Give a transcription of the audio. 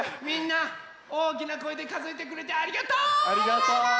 みんなおおきなこえでかぞえてくれてありがとう！